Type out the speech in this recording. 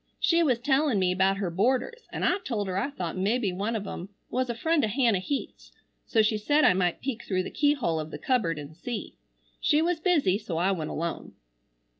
She was tellin me about her boarders an I told her I thought mebbe one of em was a friend o' Hannah Heath's so she said I might peek through the key hole of the cubberd an see. She was busy so I went alone.